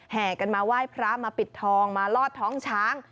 แห่กันมาไหว้พระมาปิดทองมาลอดท้องช้าง